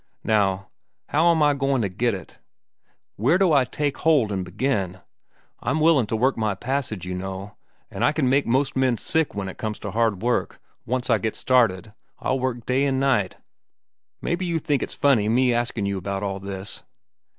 Now, how am I goin' to get it? Where do I take hold an' begin? I'm willin' to work my passage, you know, an' I can make most men sick when it comes to hard work. Once I get started, I'll work night an' day. Mebbe you think it's funny, me askin' you about all this.